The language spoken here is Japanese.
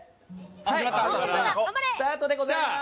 スタートでございます。